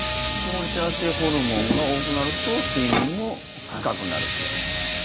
この幸せホルモンが多くなると睡眠も深くなるということですか？